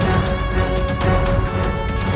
selamat tinggal puteraku